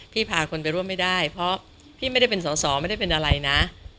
พาคนไปร่วมไม่ได้เพราะพี่ไม่ได้เป็นสอสอไม่ได้เป็นอะไรนะ